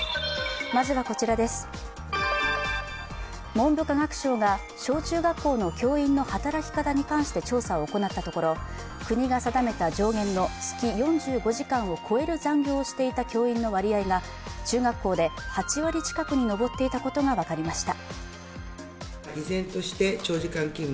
文部科学省が小中学校の教員の働き方に関して調査を行ったところ国が定めた上限の月４５時間を超える残業をしていた教員の割合が中学校で８割近くに上っていたことが分かりました。